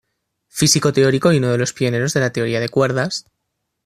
Físico teórico y uno de los pioneros de la teoría de cuerdas.